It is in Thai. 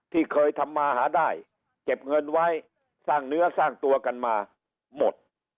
ที่เคยทำมาหาได้เก็บเงินไว้สร้างเนื้อสร้างตัวกันมาหมด